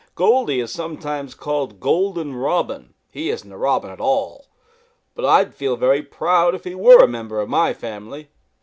Goldy is sometimes called Golden Robin. He isn't a Robin at all, but I would feel very proud if he were a member of my family.